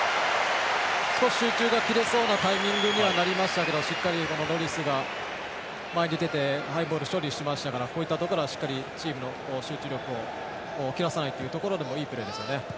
集中が切れそうなタイミングにはなりましたけどしっかりロリスが前に出てハイボールを処理しましたからしっかり、チームの集中力を切らさないというところでもいいプレーですね。